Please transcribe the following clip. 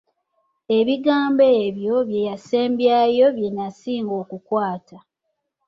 Ebigambo ebyo bye yasembyayo bye nnasinga okukwata.